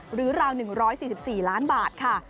ราว๑๔๔ล้านบาทค่ะ